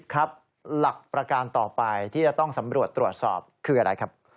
ครับหลักประการต่อไปที่จะต้องสำรวจตรวจสอบคืออะไรครับ